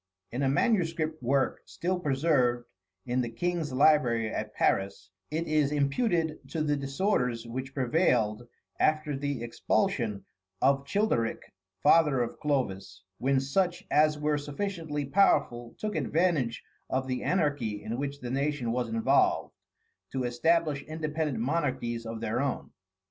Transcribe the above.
In a manuscript work, still preserved in the King's library at Paris, it is imputed to the disorders which prevailed after the expulsion of Childeric, father of Clovis, when such as were sufficiently powerful took advantage of the anarchy in which the nation was involved, to establish independent monarchies of their own.